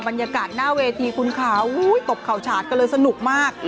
บรรยากาศหน้าเวทีคุณค่ะตบเข่าฉาดกันเลยสนุกมาก